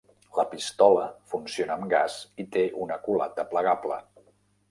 La pistola funciona amb gas i té una culata plegable.